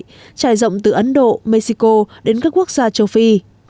trải rộng từ ấn độ mexico đến các quốc gia châu phi